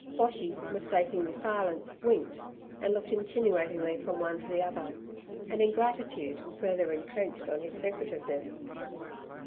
Boshy, mistaking the silence, winked, and looked insinuatingly from one to the other, and in gratitude further entrenched on his secretiveness.